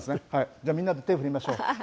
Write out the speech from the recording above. じゃあみんなで手振りましょう。